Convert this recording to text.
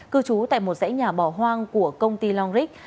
cư trú tại một dãy nhà bò hoang của công ty longric